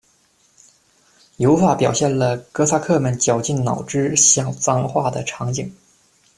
油画表现了哥萨克们绞尽脑汁想脏话的场景。